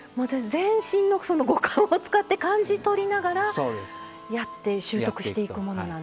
全身のその五感を使って感じ取りながらやって習得していくものなんですか。